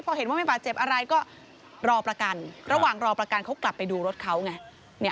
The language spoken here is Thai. พอเห็นว่าไม่บาดเจ็บอะไรก็รอประกันระหว่างรอประกันเขากลับไปดูรถเขาไง